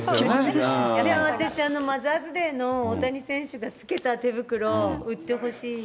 でも、私、マザーズデーの、大谷選手がつけた手袋、売ってほしい。